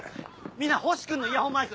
みんな星君のイヤホンマイク！